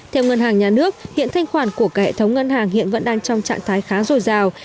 theo ngân hàng nhà nước hiện thanh khoản của cải thống ngân hàng hiện vẫn đang trong trạng thái khá dồi dào